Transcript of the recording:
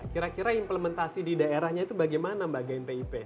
kira kira implementasi di daerahnya itu bagaimana mbak gmpip